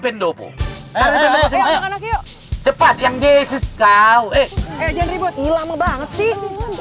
pendopo cepat yang jesit kau eh eh jenry buat ilang banget sih